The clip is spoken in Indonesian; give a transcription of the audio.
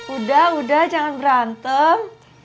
udah udah jangan berantem